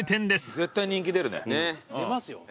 絶対人気出るね。出ますよね。